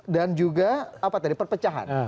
dan juga perpecahan